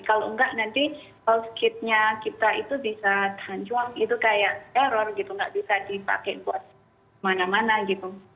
kalau enggak nanti health kitnya kita itu bisa tanjuang itu kayak error gitu nggak bisa dipakai buat mana mana gitu